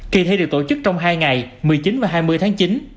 kỳ thi được tổ chức trong hai ngày một mươi chín và hai mươi tháng chín